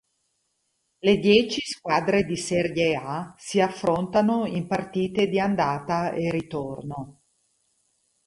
Le dieci squadre di Serie A si affrontano in partite di andata e ritorno.